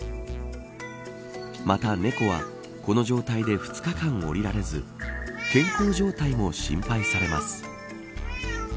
また、猫はこの状態で２日間下りられず健康状態も心配されます。